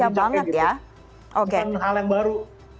jadi emang udah ada bukan hal yang baru